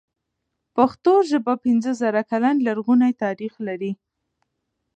پښتو ژبه پنځه زره کلن لرغونی تاريخ لري.